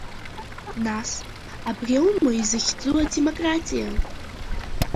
Нас абри аума изахьӡу адемократиа?